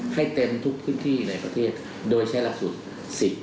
ให้เต็มทุกพื้นที่ในประเทศโดยใช้ลักษณ์สุด๑๕ชั่วโมง